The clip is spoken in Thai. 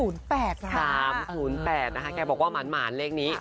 ๓๐๘นะคะแกบอกว่าหมานเลขนี้